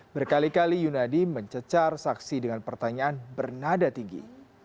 berkali kali yunadi mencecar saksi dengan pertanyaan bernada tinggi